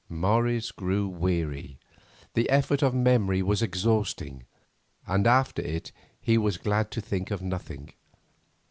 Morris grew weary, the effort of memory was exhausting, and after it he was glad to think of nothing.